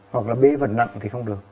hoặc là bế vật nặng thì không được